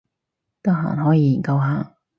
得閒可以研究下